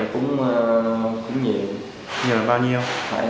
khoảng một mươi mấy triệu